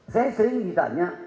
saya sering ditanya